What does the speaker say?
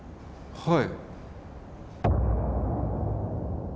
はい。